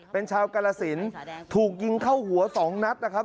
เป็นชาวกาลสินถูกยิงเข้าหัว๒นัดนะครับ